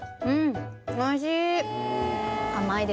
うん！